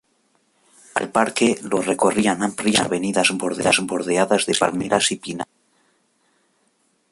Al Parque, lo recorrían amplias avenidas bordeadas de palmeras y pinares.